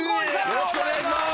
よろしくお願いします。